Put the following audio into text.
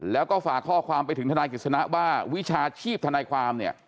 แล้วก็ฝากข้อความไปถึงทนายกฤษณะว่าวิชาชีพทนายความเนี่ย